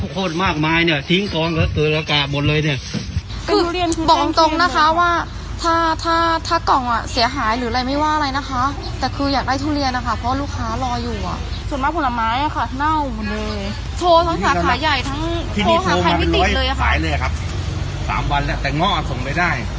ขายเลยครับ๓วันแล้วแต่ง่อส่งไปได้